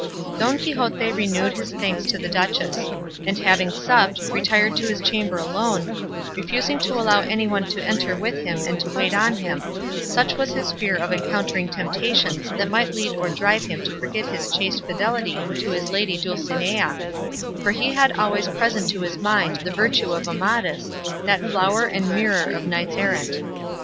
Don Quixote renewed his thanks to the duchess; and having supped, retired to his chamber alone, refusing to allow anyone to enter with him to wait on him, such was his fear of encountering temptations that might lead or drive him to forget his chaste fidelity to his lady Dulcinea; for he had always present to his mind the virtue of Amadis, that flower and mirror of knights errant.